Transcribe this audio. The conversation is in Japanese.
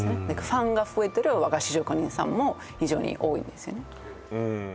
ファンが増えてる和菓子職人さんも非常に多いんですよね